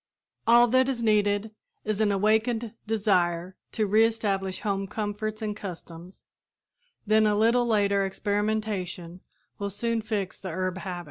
All that is needed is an awakened desire to re establish home comforts and customs, then a little later experimentation will soon fix the herb habit.